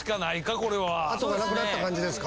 後がなくなった感じですか。